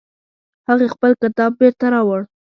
هغې خپل کتاب بیرته راوړ